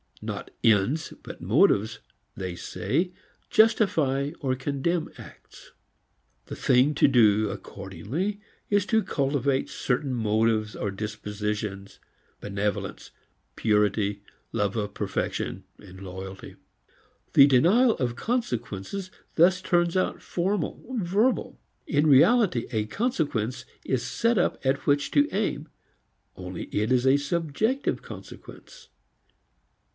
Not ends but motives they say justify or condemn acts. The thing to do, accordingly, is to cultivate certain motives or dispositions, benevolence, purity, love of perfection, loyalty. The denial of consequences thus turns out formal, verbal. In reality a consequence is set up at which to aim, only it is a subjective consequence.